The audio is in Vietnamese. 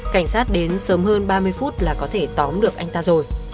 cảnh sát đến sớm hơn ba mươi phút là có thể tóm được anh ta rồi